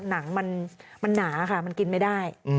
หนังมันหนาค่ะมันกินไม่ได้